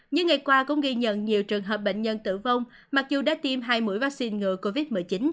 những ngày qua cũng ghi nhận nhiều trường hợp bệnh nhân tử vong mặc dù đã tiêm hai mũi vaccine ngừa covid một mươi chín